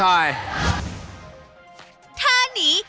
เท่านี้